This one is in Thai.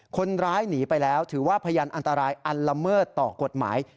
คนร้ายหนีไปแล้วถือว่าพยานอันตรายอันละเมิดต่อกฎหมาย